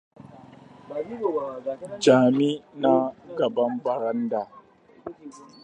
Jami na gaban baranda.